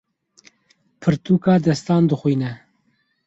Pirtûka destan dixwîne.